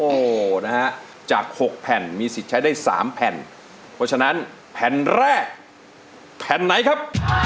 โอ้โหนะฮะจาก๖แผ่นมีสิทธิ์ใช้ได้สามแผ่นเพราะฉะนั้นแผ่นแรกแผ่นไหนครับ